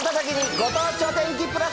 ご当地お天気プラス。